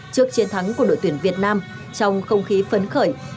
trước chiến thắng của đội tuyển việt nam trong không khí phấn khởi